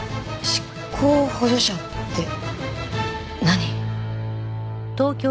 執行補助者って何？